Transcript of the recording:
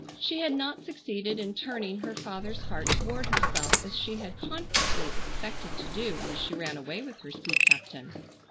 She had not succeeded in turning her father's heart toward herself as she had confidently expected to do when she ran away with her sea captain.